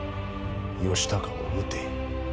義高を討て。